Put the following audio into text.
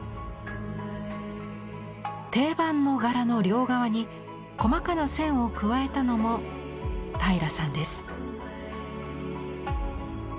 定番の柄の両側に細かな線を加えたのも平良さんです。